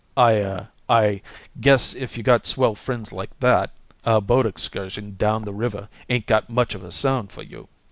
"I I guess if you got swell friends like that, a boat excursion down the river 'ain't got much of a sound for you."